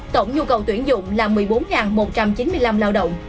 tổng nhu cầu tuyển dụng là một mươi bốn một trăm chín mươi năm lao động